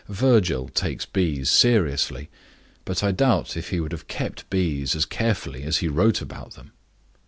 Virgil takes bees seriously but I doubt if he would have kept bees as carefully as he wrote about them.